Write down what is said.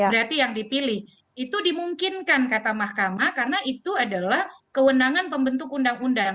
berarti yang dipilih itu dimungkinkan kata mahkamah karena itu adalah kewenangan pembentuk undang undang